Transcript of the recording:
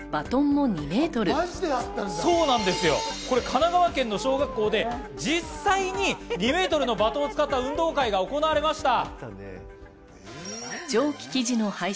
神奈川県の小学校で実際に２メートルのバトンを使った運動会が行われました。